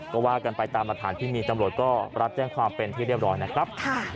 ก็ว่ากันไปตามหลักฐานที่มีตำรวจก็รับแจ้งความเป็นที่เรียบร้อยนะครับ